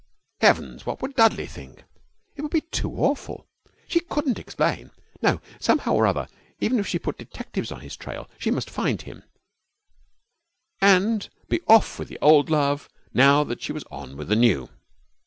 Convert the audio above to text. ... Heavens, what would Dudley think? It would be too awful! She couldn't explain. No, somehow or other, even if she put detectives on his trail, she must find him, and be off with the old love now that she was on with the new.